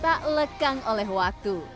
tak lekang oleh waktu